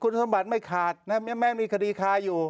คุณสมบัติไม่ขาดแม้มีคดีคาอยู่